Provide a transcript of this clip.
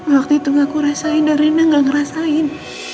waktu itu gak aku rasain dan reina gak ngerasain